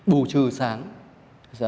bù trừ sáng